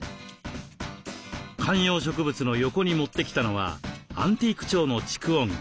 観葉植物の横に持ってきたのはアンティーク調の蓄音機。